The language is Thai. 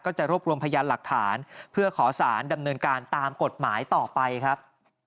จะรวบรวมพยานหลักฐานเพื่อขอสารดำเนินการตามกฎหมายต่อไปครับ